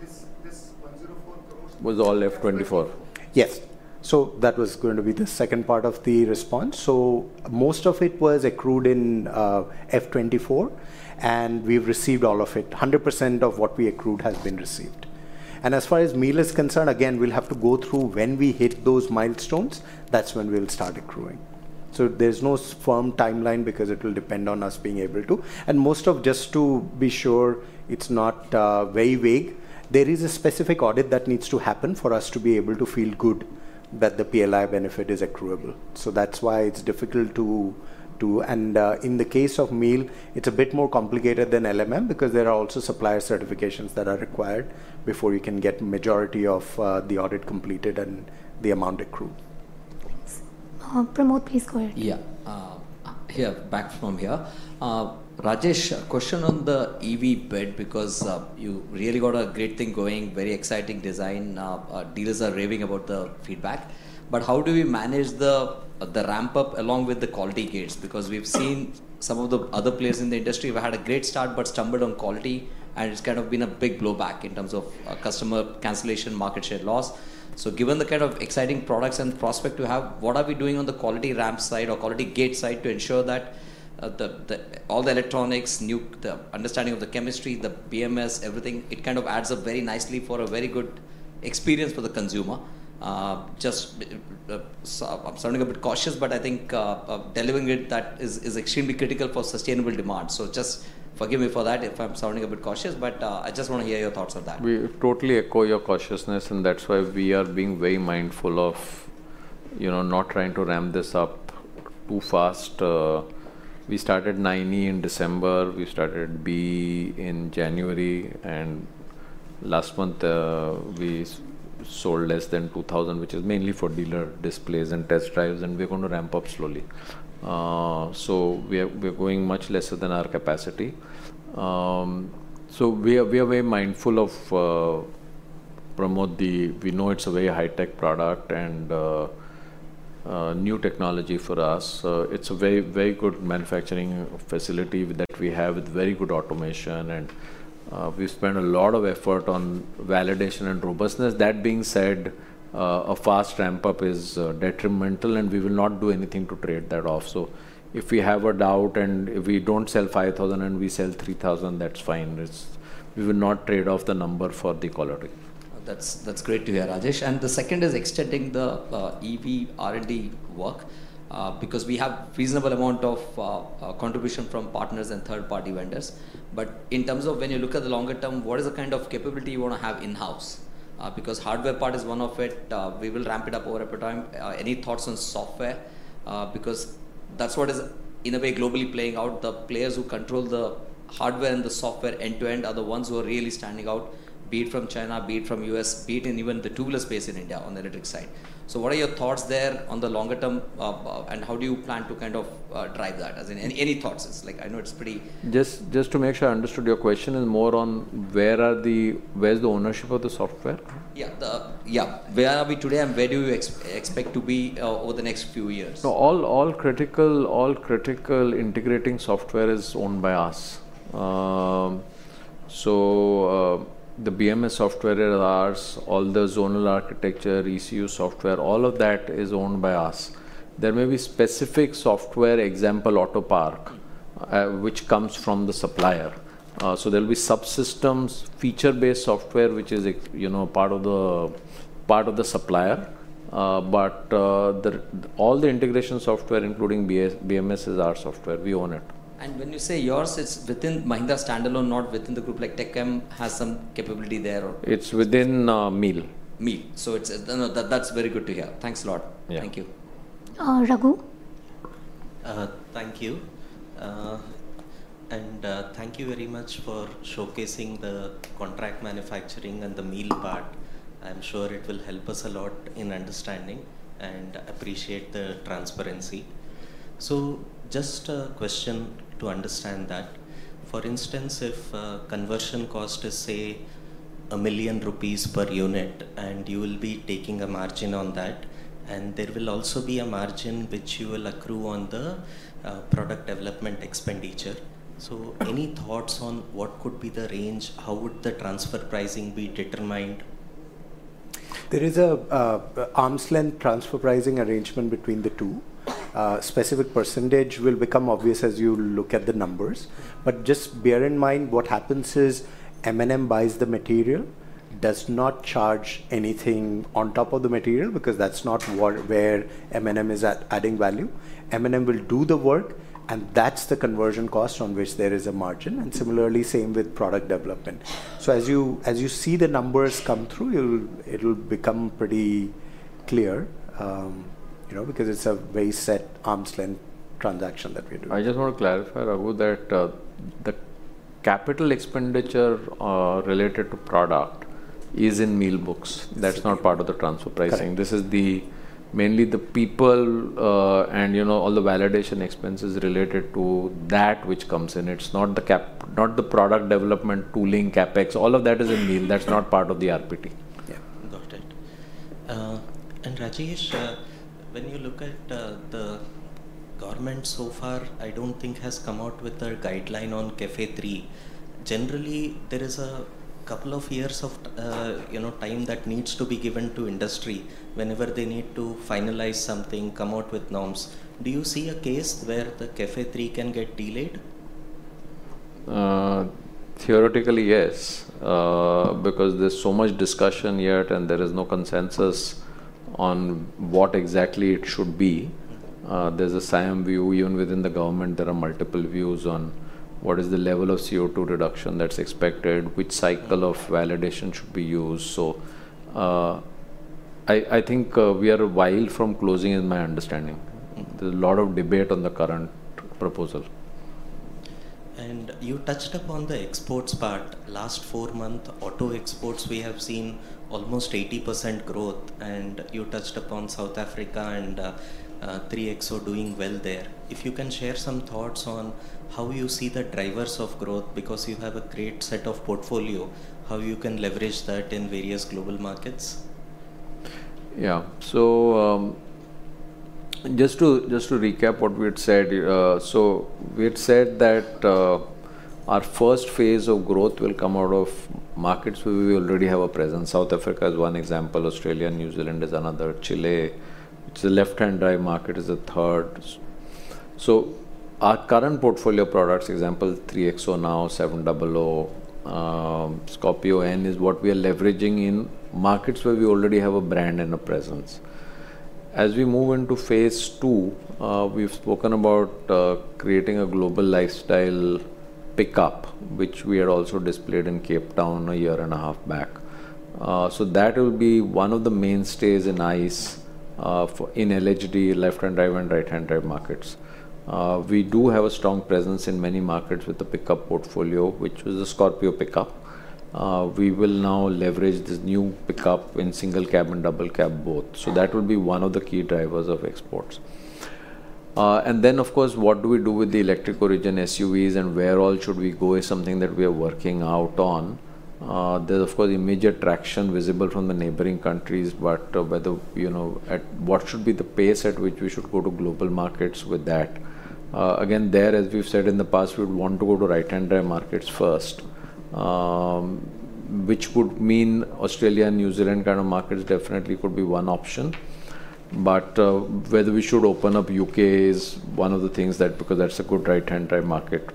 This INR 104 crore. Was all FY24? Yes. So that was going to be the second part of the response. So most of it was accrued in FY24, and we've received all of it. 100% of what we accrued has been received. And as far as MEAL is concerned, again, we'll have to go through when we hit those milestones. That's when we'll start accruing. So there's no firm timeline because it will depend on us being able to. And most of just to be sure it's not very vague, there is a specific audit that needs to happen for us to be able to feel good that the PLI benefit is accruable. So that's why it's difficult to, and in the case of MEAL, it's a bit more complicated than LMM because there are also supplier certifications that are required before you can get majority of the audit completed and the amount accrued. Thanks. Pramod, please go ahead. Yeah. Yeah. Back from here. Rajesh, a question on the EV bid because you really got a great thing going, very exciting design. Dealers are raving about the feedback. But how do we manage the ramp-up along with the quality gates? Because we've seen some of the other players in the industry have had a great start but stumbled on quality, and it's kind of been a big blowback in terms of customer cancellation, market share loss. So given the kind of exciting products and prospect we have, what are we doing on the quality ramp side or quality gate side to ensure that all the electronics, the understanding of the chemistry, the BMS, everything, it kind of adds up very nicely for a very good experience for the consumer? Just, I'm sounding a bit cautious, but I think delivering it that is extremely critical for sustainable demand. So just forgive me for that if I'm sounding a bit cautious, but I just want to hear your thoughts on that. We totally echo your cautiousness, and that's why we are being very mindful of not trying to ramp this up too fast. We started 9e in December. We started BE in January, and last month, we sold less than 2,000, which is mainly for dealer displays and test drives, and we're going to ramp up slowly, so we're going much lesser than our capacity, so we are very mindful of product. We know it's a very high-tech product and new technology for us. It's a very good manufacturing facility that we have with very good automation, and we spend a lot of effort on validation and robustness. That being said, a fast ramp-up is detrimental, and we will not do anything to trade that off, so if we have a doubt and we don't sell 5,000 and we sell 3,000, that's fine. We will not trade off the number for the quality. That's great to hear, Rajesh. And the second is extending the EV R&D work because we have a reasonable amount of contribution from partners and third-party vendors. But in terms of when you look at the longer term, what is the kind of capability you want to have in-house? Because hardware part is one of it. We will ramp it up over time. Any thoughts on software? Because that's what is, in a way, globally playing out. The players who control the hardware and the software end-to-end are the ones who are really standing out, be it from China, be it from U.S., be it in even the two-wheeler space in India on the electric side. So what are your thoughts there on the longer term, and how do you plan to kind of drive that? Any thoughts? I know it's pretty. Just to make sure I understood, your question is more on where is the ownership of the software? Yeah. Yeah. Where are we today, and where do you expect to be over the next few years? No, all critical integrating software is owned by us. So the BMS software is ours. All the zonal architecture, ECU software, all of that is owned by us. There may be specific software, example, Autopark, which comes from the supplier. So there'll be subsystems, feature-based software, which is part of the supplier. But all the integration software, including BMS, is our software. We own it. And when you say yours, it's within Mahindra standalone, not within the group? Tech Mahindra has some capability there, or? It's within MEAL. Limited. So that's very good to hear. Thanks a lot. Thank you. Raghu? Thank you. And thank you very much for showcasing the contract manufacturing and the MEAL part. I'm sure it will help us a lot in understanding, and I appreciate the transparency. So just a question to understand that. For instance, if conversion cost is, say, 1,000,000 rupees per unit, and you will be taking a margin on that, and there will also be a margin which you will accrue on the product development expenditure. So any thoughts on what could be the range? How would the transfer pricing be determined? There is an arm's length transfer pricing arrangement between the two. Specific percentage will become obvious as you look at the numbers. But just bear in mind what happens is M&M buys the material, does not charge anything on top of the material because that's not where M&M is at adding value. M&M will do the work, and that's the conversion cost on which there is a margin. And similarly, same with product development. So as you see the numbers come through, it'll become pretty clear because it's a very set arm's length transaction that we do. I just want to clarify, Raghu, that the capital expenditure related to product is in MEAL books. That's not part of the transfer pricing. This is mainly the people and all the validation expenses related to that which comes in. It's not the product development, tooling, CapEx. All of that is in MEAL. That's not part of the RPT. Yeah. Got it. And Rajesh, when you look at the government so far, I don't think has come out with a guideline on CAFE 3. Generally, there is a couple of years of time that needs to be given to industry whenever they need to finalize something, come out with norms. Do you see a case where the CAFE 3 can get delayed? Theoretically, yes, because there's so much discussion yet, and there is no consensus on what exactly it should be. There's a SIAM view even within the government. There are multiple views on what is the level of CO2 reduction that's expected, which cycle of validation should be used. So I think we are a while from closing, in my understanding. There's a lot of debate on the current proposal. You touched upon the exports part. Last four months, auto exports, we have seen almost 80% growth. You touched upon South Africa and 3XO doing well there. If you can share some thoughts on how you see the drivers of growth because you have a great set of portfolio, how you can leverage that in various global markets? Yeah. So just to recap what we had said, so we had said that our first phase of growth will come out of markets where we already have a presence. South Africa is one example. Australia, New Zealand is another. Chile, which is a left-hand drive market, is a third. So our current portfolio products, example, XUV 3XO now, XUV700, Scorpio-N is what we are leveraging in markets where we already have a brand and a presence. As we move into phase two, we've spoken about creating a global lifestyle pickup, which we had also displayed in Cape Town a year and a half back. So that will be one of the mainstays in LHD, left-hand drive and right-hand drive markets. We do have a strong presence in many markets with the pickup portfolio, which was the Scorpio Pik Up. We will now leverage this new pickup in single cab and double cab both. So that will be one of the key drivers of exports. And then, of course, what do we do with the electrical region, SUVs, and where all should we go is something that we are working out on. There's, of course, immediate traction visible from the neighboring countries, but what should be the pace at which we should go to global markets with that? Again, there, as we've said in the past, we would want to go to right-hand drive markets first, which would mean Australia and New Zealand kind of markets definitely could be one option. But whether we should open up U.K. is one of the things that, because that's a good right-hand drive market.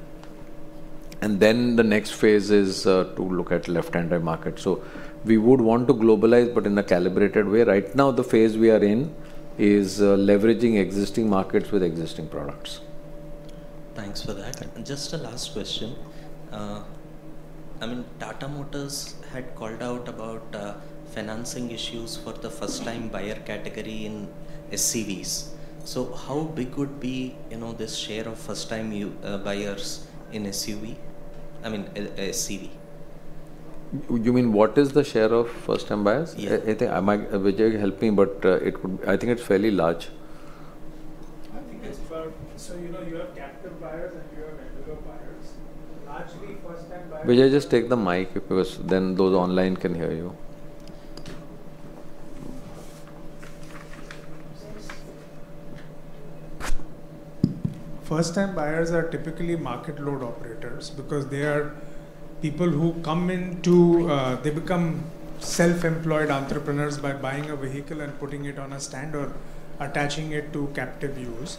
And then the next phase is to look at left-hand drive markets. So we would want to globalize, but in a calibrated way. Right now, the phase we are in is leveraging existing markets with existing products. Thanks for that. Just a last question. I mean, Tata Motors had called out about financing issues for the first-time buyer category in SUVs. So how big would be this share of first-time buyers in SUV? I mean, SUV. You mean what is the share of first-time buyers? Yes. Vijay, help me, but I think it's fairly large. I think it's about, so you have captive buyers and you have regular buyers. Largely, first-time buyers. Vijay, just take the mic because then those online can hear you. First-time buyers are typically market load operators because they are people who come into they become self-employed entrepreneurs by buying a vehicle and putting it on a stand or attaching it to captive use.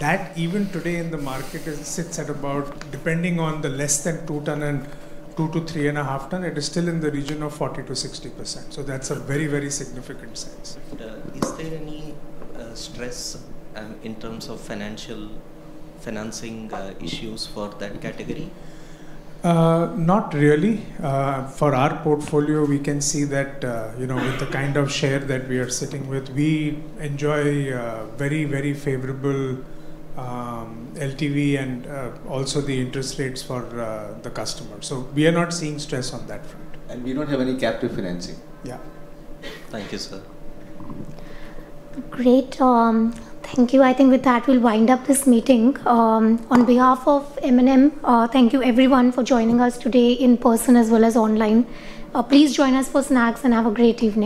That even today in the market sits at about, depending on the less than two ton and two to three and a half ton, it is still in the region of 40%-60%. So that's a very, very significant size. Is there any stress in terms of financial financing issues for that category? Not really. For our portfolio, we can see that with the kind of share that we are sitting with, we enjoy very, very favorable LTV and also the interest rates for the customer. So we are not seeing stress on that front. We don't have any captive financing. Yeah. Thank you, sir. Great. Thank you. I think with that, we'll wind up this meeting. On behalf of M&M, thank you everyone for joining us today in person as well as online. Please join us for snacks and have a great evening.